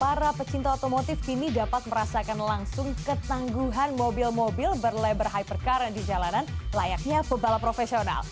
para pecinta otomotif kini dapat merasakan langsung ketangguhan mobil mobil berlebar hypercarn di jalanan layaknya pebalap profesional